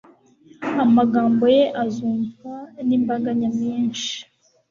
amagambo ye azumvwa nimbaga nyamwinshi